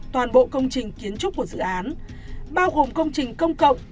toàn bộ công trình kiến trúc của dự án bao gồm công trình công cộng